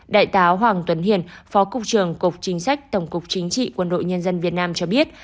đại tá hoàng tuấn hiền phó cục trưởng cục chính sách tổng cục chính trị quân đội nhân dân việt nam cho biết